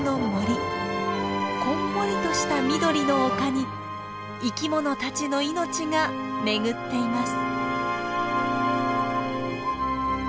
こんもりとした緑の丘に生きものたちの命が巡っています。